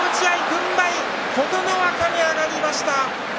軍配、琴ノ若に上がりました。